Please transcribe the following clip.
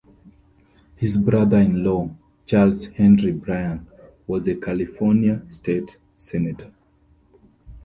His brother-in-law, Charles Henry Bryan, was a California State Senator.